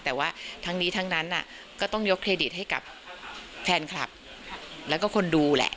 แต่ว่าทั้งนี้ทั้งนั้นก็ต้องยกเครดิตให้กับแฟนคลับแล้วก็คนดูแหละ